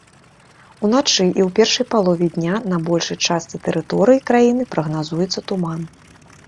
Уначы і ў першай палове дня на большай частцы тэрыторыі краіны прагназуецца туман.